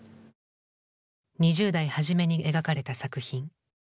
２０代初めに描かれた作品。